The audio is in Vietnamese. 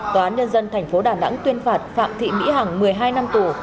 tòa án nhân dân tp đà nẵng tuyên phạt phạm thị mỹ hằng một mươi hai năm tù